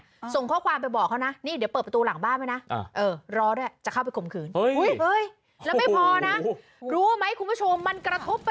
ง่วงข้อความไปบอกเขานะเห็นไหมเดี๋ยวจะเปิดประตูหลังบ้านด้วยนะ